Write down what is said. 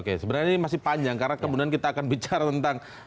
ini masih panjang karena kemudian kita akan bicara tentang